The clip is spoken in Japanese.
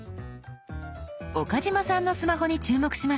岡嶋さんのスマホに注目しましょう。